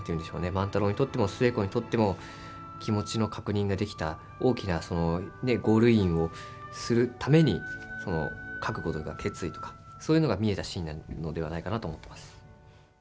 万太郎にとっても寿恵子にとっても大きなゴールインをするために覚悟とか決意とか、そういうのが見えたシーンなのではないかなと思ってます。